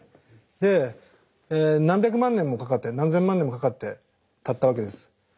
で何百万年もかかって何千万年もかかって立ったわけです。